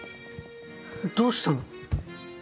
どうしたの？